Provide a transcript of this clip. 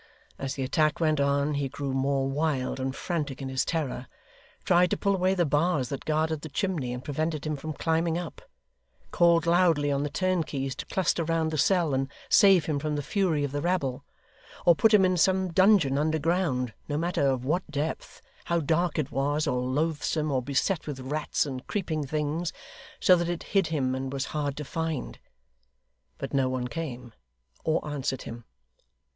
As the attack went on, he grew more wild and frantic in his terror: tried to pull away the bars that guarded the chimney and prevented him from climbing up: called loudly on the turnkeys to cluster round the cell and save him from the fury of the rabble; or put him in some dungeon underground, no matter of what depth, how dark it was, or loathsome, or beset with rats and creeping things, so that it hid him and was hard to find. But no one came, or answered him.